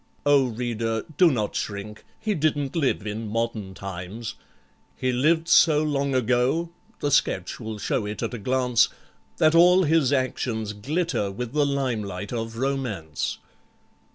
O reader, do not shrink—he didn't live in modern times! He lived so long ago (the sketch will show it at a glance) That all his actions glitter with the lime light of Romance.